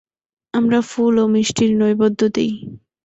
আমরা ফুল ও মিষ্টির নৈবেদ্য দিই।